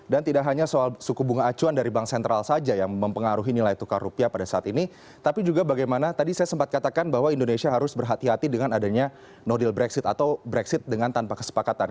dan tidak hanya soal suku bunga acuan dari bank sentral saja yang mempengaruhi nilai tukar rupiah pada saat ini tapi juga bagaimana tadi saya sempat katakan bahwa indonesia harus berhati hati dengan adanya no deal brexit atau brexit dengan tanpa kesepakatan